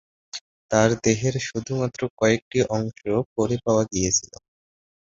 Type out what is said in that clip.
তার দেহের শুধুমাত্র কয়েকটি অংশ পরে পাওয়া গিয়েছিল।